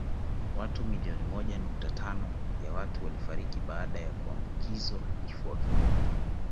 Watu milioni moja nukta tano ya watu walifariki baada ya kuambukizwa na kifua kikuu